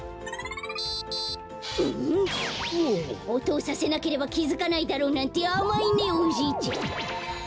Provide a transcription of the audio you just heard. おとをさせなければきづかないだろうなんてあまいねおじいちゃん。